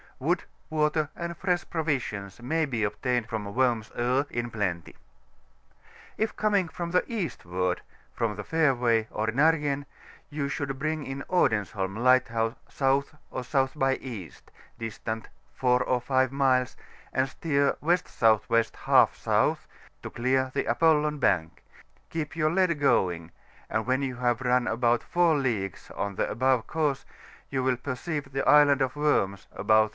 Wood, water, and fresh provisions may be obtained from Worms Oe in plenty. K coming from the eastward, from^ the fairway, or Nargen, you should bring Odens holm LightSouse South or S. by E., distant 4 or 5 miles, and steer W.S.W. J S. to clear the ApoUon Bank; keep your lead going, and when you have run about 4 leagues on the above course, you will perceive the Island of Worms about S.